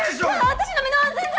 私の身の安全が！